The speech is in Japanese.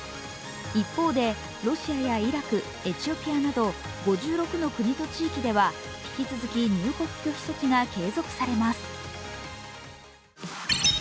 一方でロシアやイラクエチオピアなど５６の国と地域では引き続き入国拒否措置が継続されます。